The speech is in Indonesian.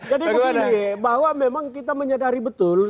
jadi begini bahwa memang kita menyadari betul